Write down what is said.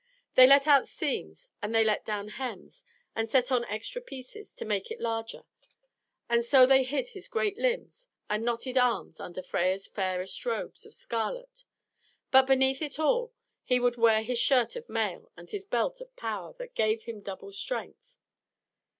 They let out seams, and they let down hems, and set on extra pieces, to make it larger, and so they hid his great limbs and knotted arms under Freia's fairest robe of scarlet; but beneath it all he would wear his shirt of mail and his belt of power that gave him double strength.